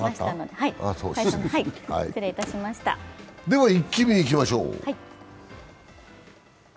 では、「イッキ見」いきましょう。